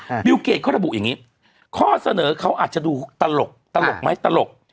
บิวเกดเขาระบุอย่างงี้ข้อเสนอเขาอาจจะดูตลกตลกไหมตลก